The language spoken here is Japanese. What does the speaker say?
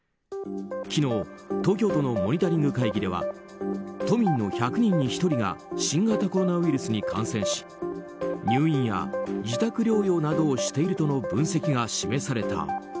昨日、東京都のモニタリング会議では都民の１００人に１人が新型コロナウイルスに感染し入院や自宅療養などをしているとの分析が示された。